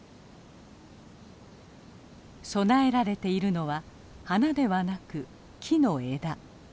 供えられているのは花ではなく木の枝。